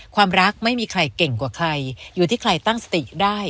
ความรักไม่มีใครเก่งกว่าใครอยู่ที่ใครตั้งสติได้